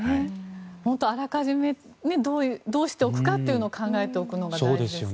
あらかじめどうしておくかというのを考えておくのが大事ですよね。